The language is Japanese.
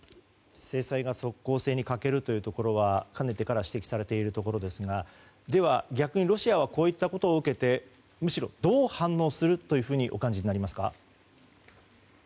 制裁が即効性に欠けるというところはかねてから指摘されているところですがでは、逆にロシアはこういったことを受けてむしろ、どう反応するとお感じになりますか。